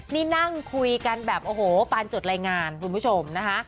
นี่นั่งคุยกันแบบโอ้โหปานจดรายงานคุณผู้ชมนะคะ